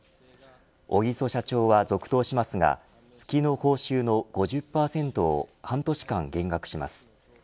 小木曽社長は続投しますが月の報酬の５０％を半年間減額します。